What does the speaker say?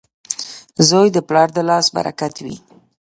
• زوی د پلار د لاس برکت وي.